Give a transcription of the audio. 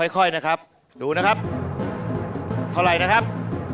ค่อยนะครับดูนะครับเท่าไหร่นะครับ